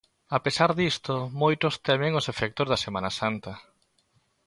A pesar disto, moitos temen os efectos da Semana Santa.